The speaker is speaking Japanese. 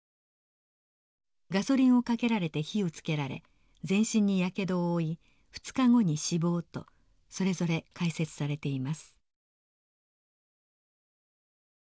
「ガソリンをかけられて火をつけられ全身にヤケドを負い２日後に死亡」とそれぞれ解説されています。